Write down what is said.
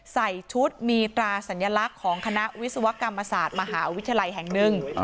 ใส่ชุดมีตราสัญลักษณ์ของคณะวิศวกรรมศาสตร์มหาวิทยาลัยแห่งหนึ่ง